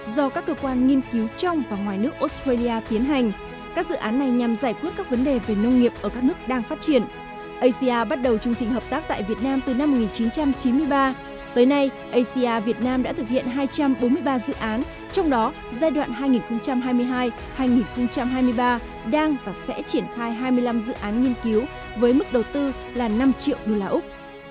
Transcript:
đăng và sẽ triển khai hai mươi năm dự án nghiên cứu với mức đầu tư là năm triệu đô la úc